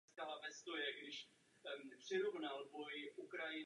Lisabonská smlouva zavedla důležité změny.